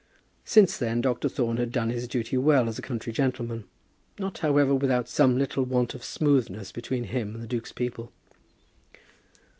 Since then Dr. Thorne had done his duty well as a country gentleman, not, however, without some little want of smoothness between him and the duke's people.